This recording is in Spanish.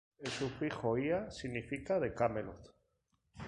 El sufijo "ia" significa "de Camelot".